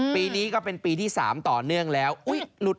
ปีนี้ก็เป็นปีที่สามต่อเนื่องแล้วอุ๊ยหลุด